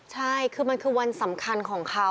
ใช่คือมันคือวันสำคัญของเขา